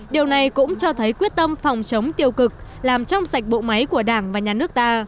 điều này cũng cho thấy quyết tâm phòng chống tiêu cực làm trong sạch bộ máy của đảng và nhà nước ta